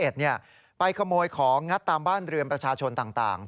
ไปขโมยของงัดตามบ้านเรือนประชาชนต่าง